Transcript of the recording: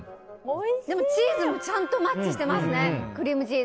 でもチーズもちゃんとマッチしてますね。